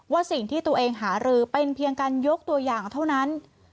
ว่าสิ่งที่ตัวเองหารือเป็นเพียงการยกตัวอย่างเท่านั้น